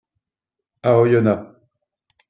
À Oyonnax.